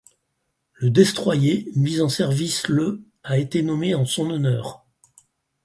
Le destroyer mis en service le a été nommé en son honneur.